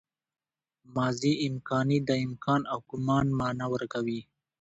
ماضي امکاني د امکان او ګومان مانا ورکوي.